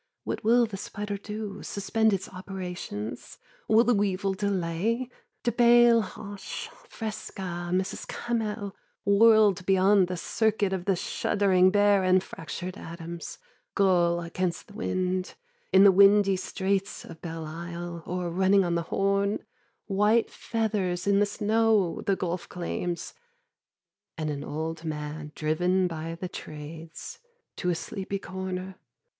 What will the spider do, Suspend its operations, will the weevil Delay? De Bailhache, Fresca, Mrs. Cammel, whirled Beyond the circuit of the shuddering Bear In fractured atoms. Gull against the wind, in the windy straits Of Belle Isle, or running on the Horn, White feathers in the snow, the Gulf claims, And an old man driven by the Trades To a sleepy corner.